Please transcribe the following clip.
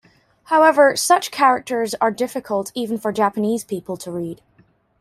However, such characters are difficult even for Japanese people to read.